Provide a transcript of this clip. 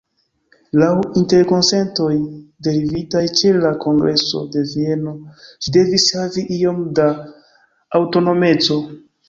Laŭ interkonsentoj derivitaj ĉe la Kongreso de Vieno ĝi devis havi iom da aŭtonomeco.